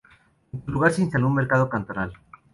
En su lugar se instaló un mercado cantonal.